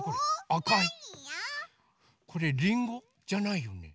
これりんご？じゃないよね。